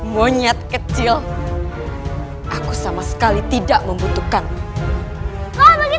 monyet kecil aku sama sekali tidak membutuhkan